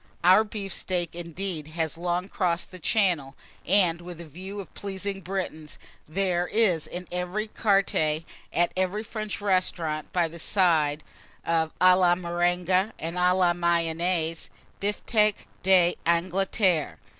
Our beef steak, indeed, has long crossed the Channel; and, with a view of pleasing the Britons, there is in every carte at every French restaurant, by the side of à la Marengo, and à la Mayonnaise, bifteck d'Angleterre.